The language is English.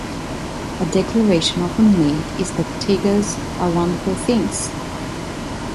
A declaration often made, is that Tiggers are wonderful things.